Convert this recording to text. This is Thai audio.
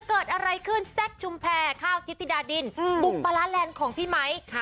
เกิดอะไรขึ้นแซคชุมแพรข้าวทิพธิดาดินบุกปลาร้าแลนด์ของพี่ไมค์